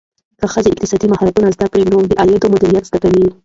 که ښځه اقتصادي مهارتونه زده کړي، نو د عاید مدیریت زده کوي.